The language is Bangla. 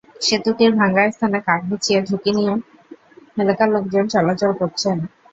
সেতুটির ভাঙা স্থানে কাঠ বিছিয়ে ঝুঁকি নিয়ে এলাকার লোকজন চলাচল করছেন।